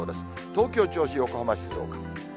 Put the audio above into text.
東京、銚子、横浜、静岡。